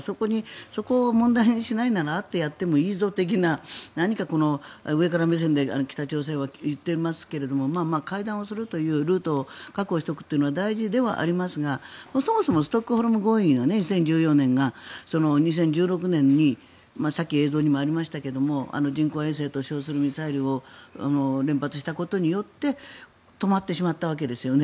そこを問題にしないなら会ってやってもいいぞ的な何か、上から目線で北朝鮮は言っていますけども会談をするというルートを確保しておくというのは大事ではありますがそもそもストックホルム合意の２０１４年が２０１６年にさっき映像にもありましたけども人工衛星と称するミサイルを連発したことによって止まってしまったわけですよね。